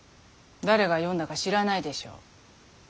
誰が詠んだか知らないでしょう。